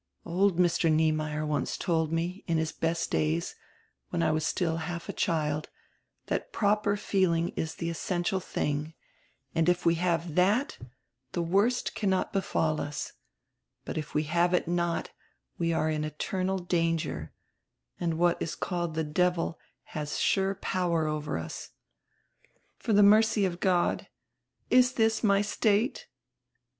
Old Mr. Niemeyer once told me, in his best days, when I was still half a child, that proper feeling is the essential tiling, and if we have that die worst cannot befall us, but if we have it not, we are in eternal danger, and what is called die Devil has sure power over us. For die mercy of God, is diis my state?"